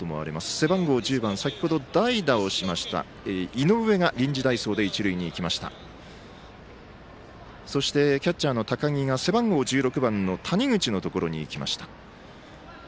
背番号１０番先ほど代打をしました井上が臨時代走で一塁に行きましたそしてキャッチャーの高木が背番号１６番の谷口のところに行きました。